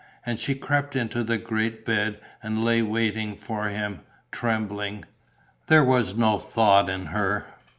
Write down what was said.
And she crept into the great bed and lay waiting for him, trembling. There was no thought in her.